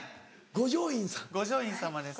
五条院様です。